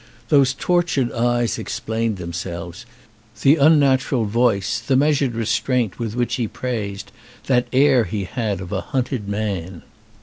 Those tortured eyes ex plained themselves, the unnatural voice, the meas ured restraint with which he praised, that air he had of a hunted man.